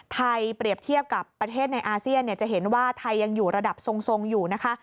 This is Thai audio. เปรียบเทียบกับประเทศในอาเซียนจะเห็นว่าไทยยังอยู่ระดับทรงอยู่นะคะ